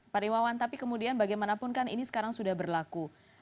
pak rimawan tapi kemudian bagaimanapun kan ini sekarang sudah berlaku